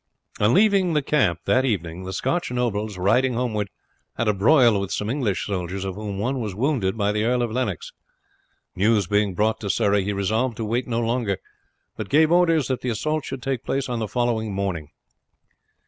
On leaving the camp that evening the Scotch nobles, riding homeward, had a broil with some English soldiers, of whom one was wounded by the Earl of Lennox. News being brought to Surrey, he resolved to wait no longer, but gave orders that the assault should take place on the following morning.